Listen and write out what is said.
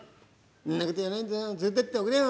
「そんなこと言わないでよう連れてっておくれよ！